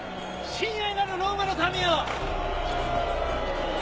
親愛なるローマの民よ